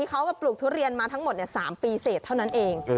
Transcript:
ปลูกทุเรียนมาทั้งหมด๓ปีเสร็จเท่านั้นเอง